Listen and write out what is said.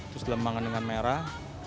terus lembangan dengan merah